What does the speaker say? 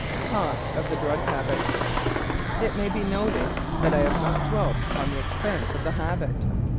COST OF THE DRUG HABIT It may be noted that I have not dwelt upon the expense of the habit.